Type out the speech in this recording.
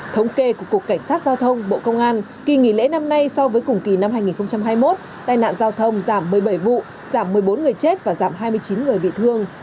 thống kê của cục cảnh sát giao thông bộ công an kỳ nghỉ lễ năm nay so với cùng kỳ năm hai nghìn hai mươi một tai nạn giao thông giảm một mươi bảy vụ giảm một mươi bốn người chết và giảm hai mươi chín người bị thương